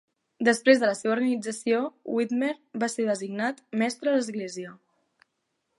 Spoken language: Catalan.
Després de la seva organització, Whitmer va ser designat mestre a l'església.